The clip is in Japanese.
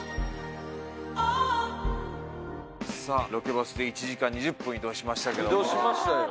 さあロケバスで１時間２０分移動しましたけども。移動しましたよ。